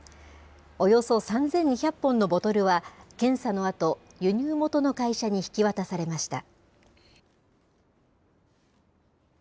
およそ３２００本のボトルは、検査のあと輸入元の会社に引き渡されました。